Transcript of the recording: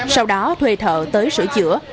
sau đó thuê thợ tới sửa chữa